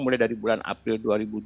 mulai dari bulan april dua ribu dua puluh